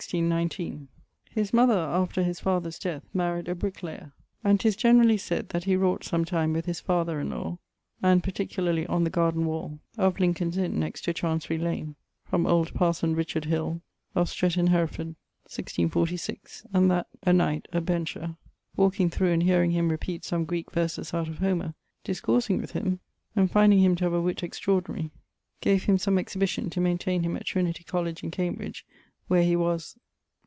] His mother, after his father's death, maried a brick layer; and 'tis generally sayd that he wrought sometime with his father in lawe (and particularly on the garden wall of Lincoln's Inne next to Chancery lane from old parson Hill, of Stretton, Hereff., 1646), and that ......, a knight, a bencher, walking thro' and hearing him repeat some Greeke verses out of Homer, discoursing with him, and finding him to have a witt extraordinary, gave him some exhibition to maintaine him at Trinity college in Cambridge, where he was